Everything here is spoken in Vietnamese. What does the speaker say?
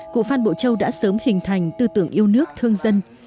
cụ phan bộ châu đã sớm hình thành tư tưởng yêu nước thương dân